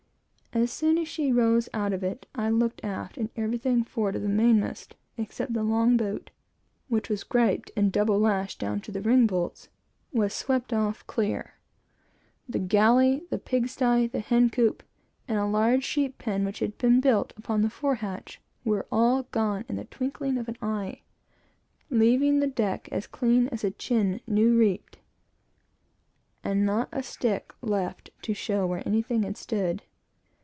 As soon as she rose out of it, I looked aft, and everything forward of the main mast, except the long boat, which was griped and double lashed down to the ring bolts, was swept off clear. The galley, the pig sty, the hen coop, and a large sheep pen which had been built upon the forehatch, were all gone, in the twinkling of an eye leaving the deck as clean as a chin new reaped and not a stick left, to show where they had stood.